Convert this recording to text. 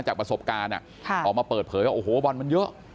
จากประสบการณ์ออกมาเปิดเผยบอนมันเยอะ